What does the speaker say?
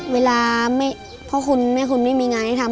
เวลาพ่อคุณแม่คุณไม่มีงานให้ทำ